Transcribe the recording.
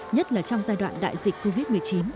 nhất là trong giai đoạn đại dịch covid một mươi chín